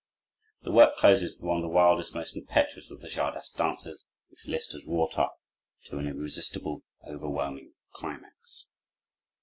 The work closes with one of the wildest, most impetuous of the "czardas" dances, which Liszt has wrought up to an irresistible, overwhelming climax.